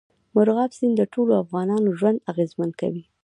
مورغاب سیند د ټولو افغانانو ژوند اغېزمن کوي.